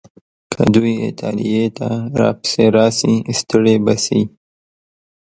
که دوی ایټالیې ته راپسې راشي، ستړي به شي.